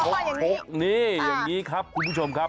เขาชกนี่อย่างนี้ครับคุณผู้ชมครับ